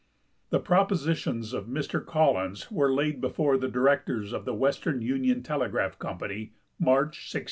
The ]>ropositions of Mr Collins were laid before the Directors of the Western Union Telegraph Comjiany, March 16, 1864.